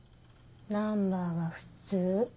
ナンバーは普通。